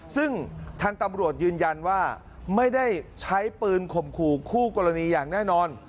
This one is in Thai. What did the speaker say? ซึ่งทางตำรวจยืนยันว่าไม่ได้ใช้ปืนข่มขู่คู่กรณีอย่างแน่นอน